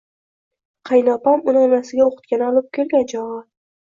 Qaynopam uni onasiga o`qitgani olib kelgan chog`i